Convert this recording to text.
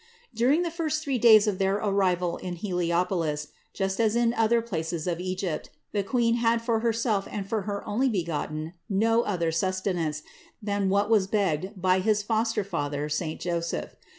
655. During the first three days of their arrival in Heliopolis, just as in other places of Egypt, the Queen had for Herself and for her Onlybegotten no other suste nance than what was begged by his foster father saint Joseph.